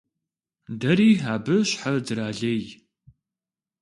Дэри абы щхьэ дралей.